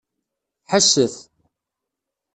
Ḥesset!